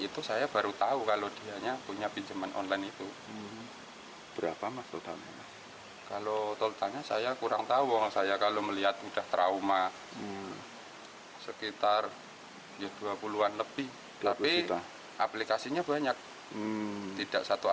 tapi aplikasinya banyak tidak satu aplikasi